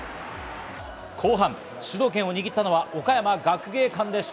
後半、主導権を握ったのは岡山学芸館でした。